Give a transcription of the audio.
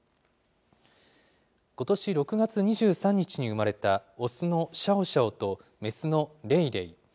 ことし６月２３日に生まれた雄のシャオシャオと雌のレイレイ。